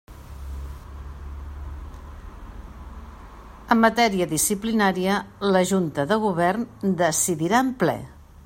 En matèria disciplinària, la Junta de Govern decidirà en ple.